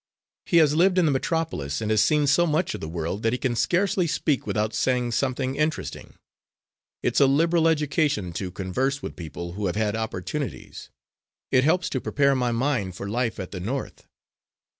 He has lived in the metropolis, and has seen so much of the world that he can scarcely speak without saying something interesting. It's a liberal education to converse with people who have had opportunities. It helps to prepare my mind for life at the North."